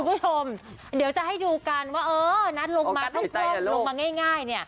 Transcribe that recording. คุณผู้ชมเดี๋ยวจะให้ดูกันว่านัทลงมาทั้งควบลงมาง่าย